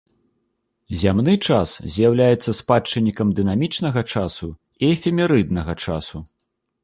Зямны час з'яўляецца спадчыннікам дынамічнага часу і эфемерыднага часу.